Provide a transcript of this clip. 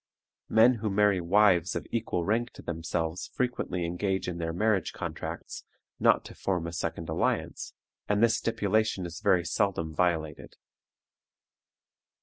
Men who marry wives of equal rank to themselves frequently engage in their marriage contracts not to form a second alliance, and this stipulation is very seldom violated.